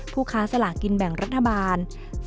ค้าสลากินแบ่งรัฐบาล